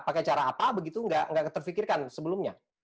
pakai cara apa begitu nggak terfikirkan sebelumnya